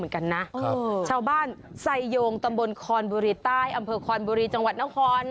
ครับชาวบ้านไสยงตำบลคอนบุรีใต้อำเภอคอนบุรีจังหวัดน้ำคอน